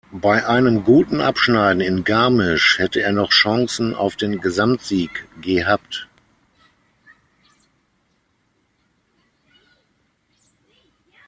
Bei einem guten Abschneiden in Garmisch hätte er noch Chancen auf den Gesamtsieg gehabt.